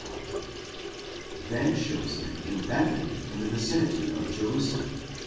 then shows him in Bethany in the vicinity of Jerusalem (x.